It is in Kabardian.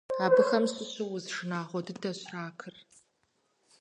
Абыхэм щыщу уз шынагъуэ дыдэщ ракыр.